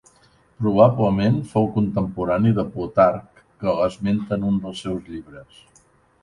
Probablement fou contemporani de Plutarc que l'esmenta en un dels seus llibres.